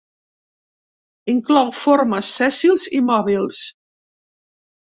Inclou formes sèssils i mòbils.